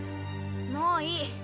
もういい。